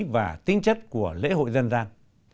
và tính chất của lễ hội dân gian